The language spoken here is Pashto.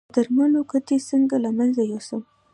د درملو قطۍ څنګه له منځه یوسم؟